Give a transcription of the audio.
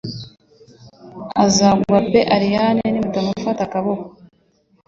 Azagwa pe Allayne ni muta mufata akaboko